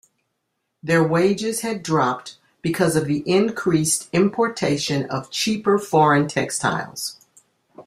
Their wages had dropped because of the increased importation of cheaper foreign textiles.